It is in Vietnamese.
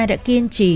đã kiên trì